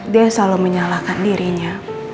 dia selalu menyalahkan dirinya